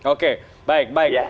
oke baik baik